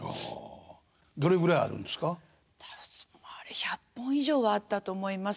あれ１００本以上はあったと思います